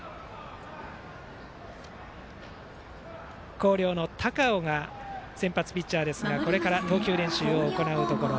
広陵の高尾が先発ピッチャーですが、これから投球練習を行うところ。